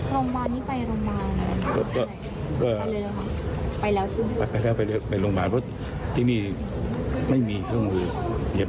โรงพยาบาลนี่ไปโรงพยาบาลไปเลยแล้วคะไปแล้วไปแล้วไปแล้วไปโรงพยาบาลเพราะที่นี่ไม่มีเครื่องมือเย็บ